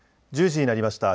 １０時になりました。